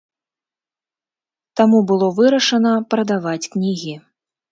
Таму было вырашана прадаваць кнігі.